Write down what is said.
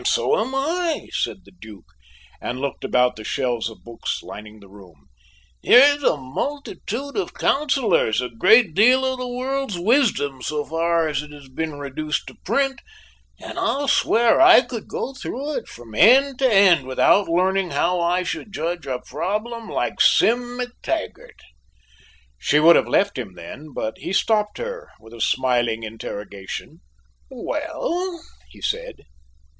"And so am I," said the Duke, and looked about the shelves of books lining the room. "Here's a multitude of counsellors, a great deal of the world's wisdom so far as it has been reduced to print, and I'll swear I could go through it from end to end without learning how I should judge a problem like Sim MacTaggart." She would have left him then, but he stopped her with a smiling interrogation. "Well?" he said.